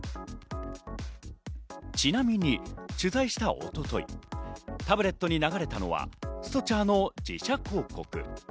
ちなみに取材した一昨日、タブレットに流れたのはＳｔｃｈａｒ！の自社広告。